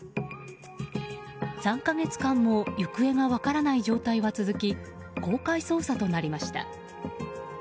３か月間も行方が分からない状態は続き公開捜査となりました。